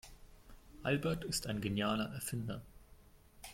Albert ist ein genialer Erfinder.